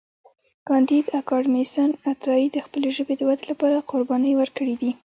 کانديد اکاډميسن عطایي د خپلې ژبې د ودې لپاره قربانۍ ورکړې دي.